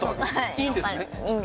いいんです